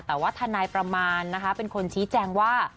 แต่ว่าทนายประมาณนะคะเป็นคนชี้แจงว่า